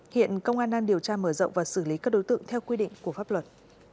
hiện công an đang điều tra mở rộng và xử lý các đối tượng theo quy định của pháp luật